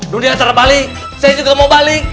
dunia terbalik saya juga mau balik